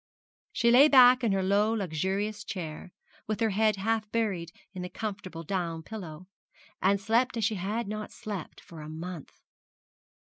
She lay back in her low luxurious chair, with her head half buried in the comfortable down pillow, and slept as she had not slept for a month.